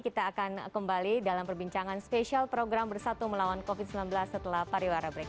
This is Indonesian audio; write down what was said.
kita akan kembali dalam perbincangan spesial program bersatu melawan covid sembilan belas setelah pariwara berikut